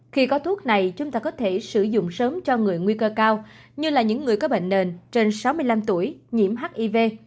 khi có thuốc này chúng ta có thể sử dụng sớm cho người nguy cơ cao như là những người có bệnh nền trên sáu mươi năm tuổi nhiễm hiv